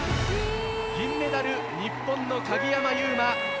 銀メダル、日本の鍵山優真。